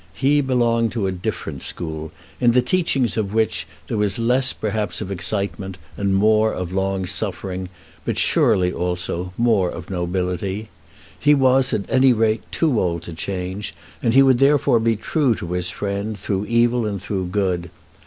He belonged to a different school, in the teachings of which there was less perhaps of excitement and more of long suffering; but surely, also, more of nobility. He was, at any rate, too old to change, and he would therefore be true to his friend through evil and through good.